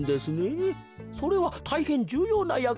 それはたいへんじゅうようなやくでございますね。